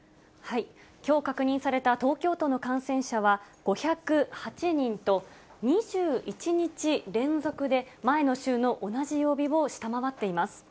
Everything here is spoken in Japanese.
きょう確認された東京都の感染者は５０８人と、２１日連続で、前の週の同じ曜日を下回っています。